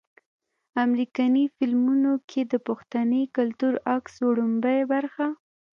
امريکني فلمونو کښې د پښتني کلتور عکس وړومبۍ برخه